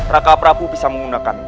raka prabu bisa menggunakan